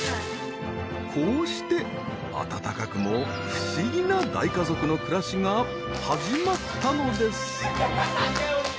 こうして温かくも不思議な大家族の暮らしが始まったのです。